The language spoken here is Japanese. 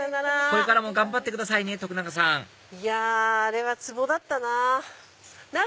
これからも頑張ってくださいね徳永さんあれはツボだったな。